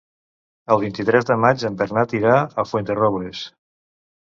El vint-i-tres de maig en Bernat irà a Fuenterrobles.